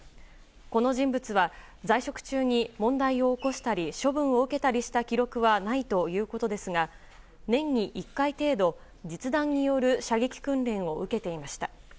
この人物は在職中に問題を起こしたり処分を受けたりした記録はないということですが年に１回程度、実弾による射撃訓練を受けていました。